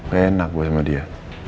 gak enak buat sama dia